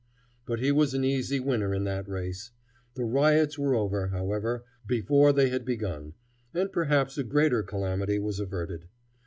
But he was an easy winner in that race. The riots were over, however, before they had begun, and perhaps a greater calamity was averted.